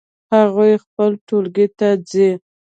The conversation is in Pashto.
هغوی خپل ټولګی ته ځي